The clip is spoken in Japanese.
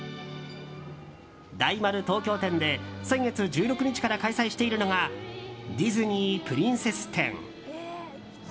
大丸東京店で先月１６日から開催しているのが「ディズニープリンセス展」。